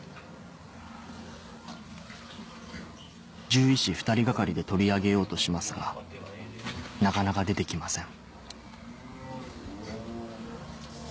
獣医師２人掛かりで取り上げようとしますがなかなか出て来ません